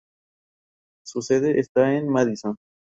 Toulouse es mundialmente conocida por su industria aeroespacial.